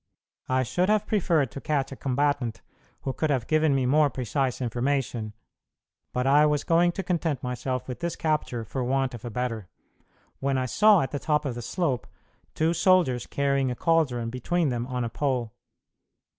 I should have preferred to catch a combatant who could have given me more precise information; but I was going to content myself with this capture for want of a better, when I saw, at the top of the slope, two soldiers carrying a caldron between them on a pole.